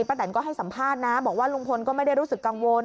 แตนก็ให้สัมภาษณ์นะบอกว่าลุงพลก็ไม่ได้รู้สึกกังวล